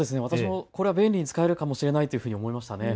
便利に使えるかもしれないと思いましたね。